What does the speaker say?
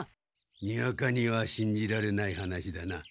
にわかにはしんじられない話だな。